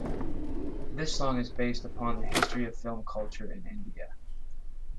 This song is based upon the history of film culture in India.